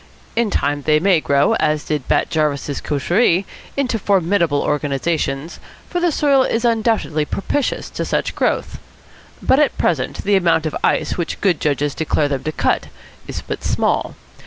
In time they may grow, as did Bat Jarvis's coterie, into formidable organisations, for the soil is undoubtedly propitious to such growth. But at present the amount of ice which good judges declare them to cut is but small.